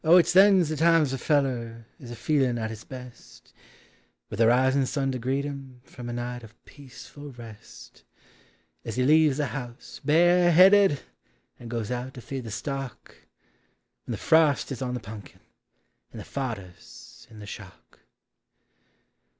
169 O it 's then 's the times a feller is a feelin' at his best, With the risin' sun to greet him from a night of peaceful rest, As he leaves the house, bare headed, and goes out to feed the stock, When the frost is on the punkin and the fodder 's in the shock.